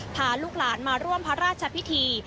พาลูกหลานมาร่วมพระราชพิธี